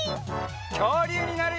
きょうりゅうになるよ！